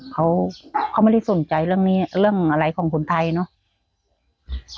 เขาเขาไม่ได้สนใจเรื่องนี้เรื่องอะไรของคนไทยเนอะ